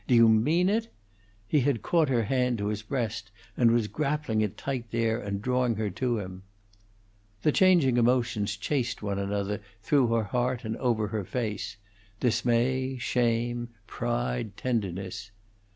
Do you mean it?" He had caught her hand to his breast and was grappling it tight there and drawing her to him. The changing emotions chased one another through her heart and over her face: dismay, shame, pride, tenderness.